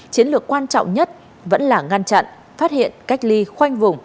chiến lược quan trọng nhất vẫn là ngăn chặn phát hiện cách ly khoanh vùng